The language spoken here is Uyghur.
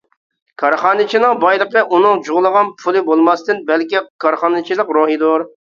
كارخانىچىنىڭ بايلىقى ئۇنىڭ جۇغلىغان پۇلى بولماستىن، بەلكى كارخانىچىلىق روھىدۇر.